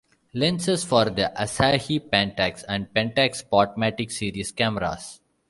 Lenses for the Asahi Pentax and Pentax Spotmatic series cameras.